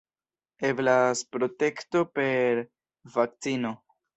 Eblas protekto per vakcino.